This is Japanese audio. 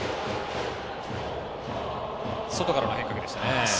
外からの変化球でしたね。